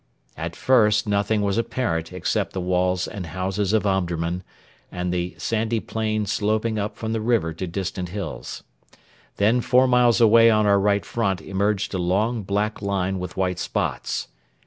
At first nothing was apparent except the walls and houses of Omdurman and the sandy plain sloping up from the river to distant hills. Then four miles away on our right front emerged a long black line with white spots.